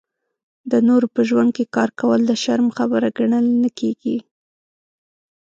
د نورو په ژوند کې کار کول د شرم خبره ګڼل نه کېږي.